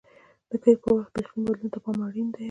د کښت پر وخت د اقلیم بدلون ته پام اړین دی.